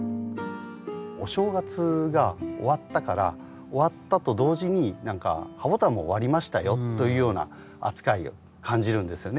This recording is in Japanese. お正月が終わったから終わったと同時に何かハボタンも終わりましたよというような扱いを感じるんですよね。